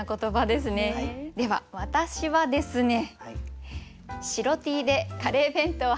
では私はですね。